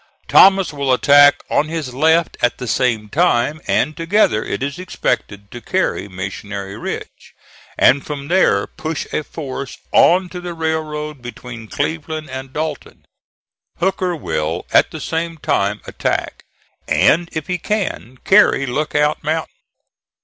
Thomas will attack on his left at the same time, and together it is expected to carry Missionary Ridge, and from there push a force on to the railroad between Cleveland and Dalton. Hooker will at the same time attack, and, if he can, carry Lookout Mountain.